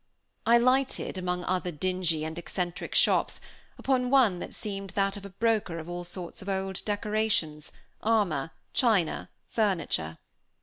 I lighted, among other dingy and eccentric shops, upon one that seemed that of a broker of all sorts of old decorations, armor, china, furniture.